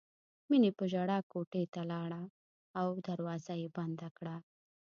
مینې په ژړا کوټې ته لاړه او دروازه یې بنده کړه